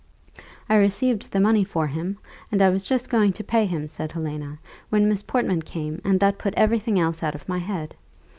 "I received the money for him, and I was just going to pay him," said Helena, "when Miss Portman came; and that put every thing else out of my head.